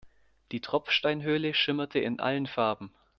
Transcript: Die Tropfsteinhöhle schimmerte in allen Farben.